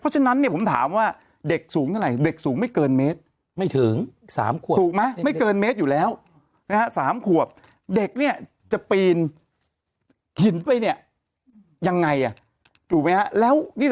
เพราะฉะนั้นเนี่ยผมถามว่าเด็กสูงเท่าไรแล้วแต่สูงก็ไม่เกินเมตร